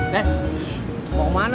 nek mau kemana lo